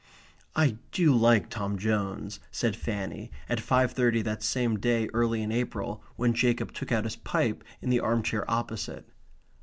"I do like Tom Jones," said Fanny, at five thirty that same day early in April when Jacob took out his pipe in the arm chair opposite.